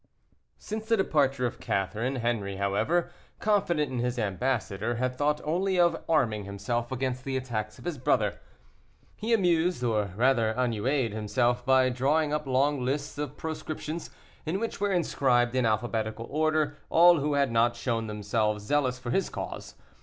Since the departure of Catherine, Henri, however, confident in his ambassador, had thought only of arming himself against the attacks of his brother. He amused, or rather ennuyéd, himself by drawing up long lists of proscriptions, in which were inscribed in alphabetical order all who had not shown themselves zealous for his cause.